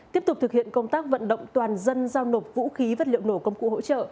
tiếp tục thực hiện công tác vận động toàn dân giao nộp vũ khí vật liệu nổ công cụ hỗ trợ